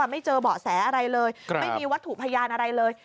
ไม่เจอเบาะแสอะไรเลยไม่มีวัตถุพยานอะไรเลย